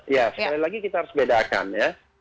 ya sekali lagi kita harus bedakan ya